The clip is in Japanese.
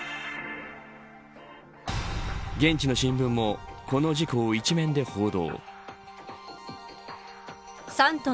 現地の新聞もこの事故を１面で報道。